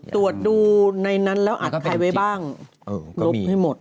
ตรวจดูในนั้นแล้วอัดใครไว้บ้างลบให้หมด